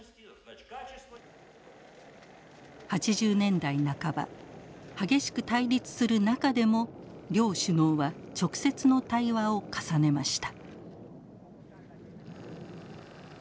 ８０年代半ば激しく対立する中でも両首脳は直接の対話を重ねました。